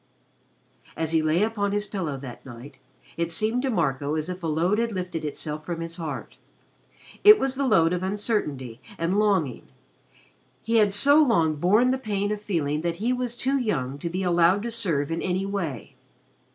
As he lay upon his pillow that night, it seemed to Marco as if a load had lifted itself from his heart. It was the load of uncertainty and longing. He had so long borne the pain of feeling that he was too young to be allowed to serve in any way.